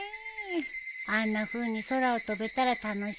あんなふうに空を飛べたら楽しいだろうな。